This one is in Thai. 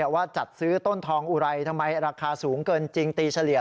ว่าจัดซื้อต้นทองอุไรทำไมราคาสูงเกินจริงตีเฉลี่ย